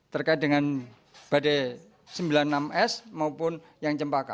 terkait dengan badai sembilan puluh enam s maupun yang cempaka